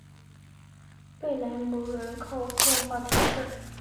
贝莱姆人口变化图示